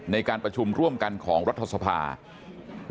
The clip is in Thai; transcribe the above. ในการประชุมร่วมกันของรัฐสภา